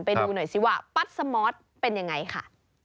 ไปดูหน่อยซิว่าปัดสมอสเป็นยังไงค่ะ